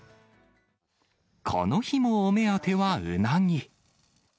この日もお目当てはウナギ。